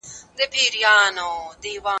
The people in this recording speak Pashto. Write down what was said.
شعارونو د ادب ځای نیولی و.